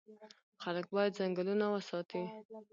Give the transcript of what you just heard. خلک باید ځنګلونه وساتي.